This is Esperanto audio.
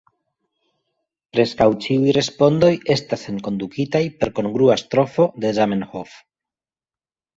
Preskaŭ ĉiuj respondoj estas enkondukitaj per kongrua strofo de Zamenhof.